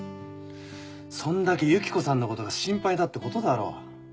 そんだけユキコさんのことが心配だってことだろ。